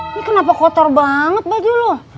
ini kenapa kotor banget baju loh